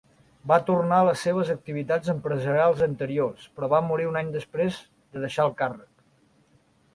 Va tornar a les seves activitats empresarials anteriors, però va morir un any després de deixar el càrrec.